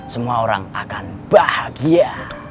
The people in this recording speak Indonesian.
semua orang akan bahagia